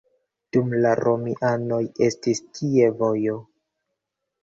Dum la romianoj estis tie vojo.